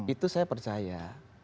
itu saya percaya